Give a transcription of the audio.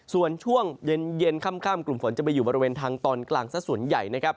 ส่วนช่วงเย็นค่ำกลุ่มฝนจะไปอยู่บริเวณทางตอนกลางสักส่วนใหญ่นะครับ